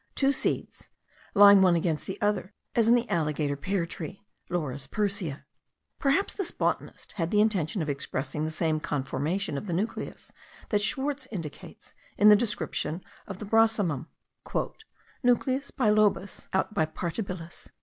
] two seeds, lying one against the other, as in the alligator pear tree (Laurus persea). Perhaps this botanist had the intention of expressing the same conformation of the nucleus that Swartz indicates in the description of the brosimum "nucleus bilobus aut bipartibilis."